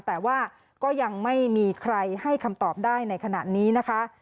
แต่ว่าก็ยังไม่มีใครให้คำตอบได้ในขณะนี้นะคะ